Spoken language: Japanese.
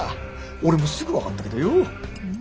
俺もすぐ分かったけどよ。